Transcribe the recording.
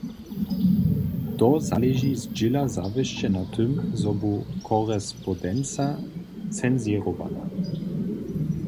To zaleži zdźěla zawěsće na tym, zo bu korespondenca censěrowana.